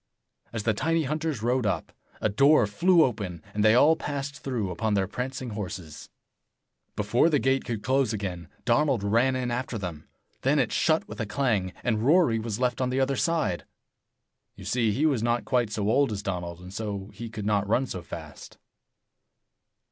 As the tiny hunters rode up, a door flew open, and they all passed through upon their prancing horses. Before the gate could close again, Donald ran in after them. Then it shut with a clang, and Rory was left on the other side. You see, he was not quite so old as Donald, and so he could not run so fast.